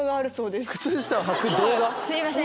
すいません。